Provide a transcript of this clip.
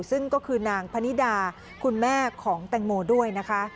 ซึ่งก็คือนางพนิดาคุณแม่ของแตงโมด้วยนะคะ